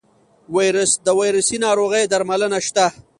د ویروسي ناروغیو درملنه شته؟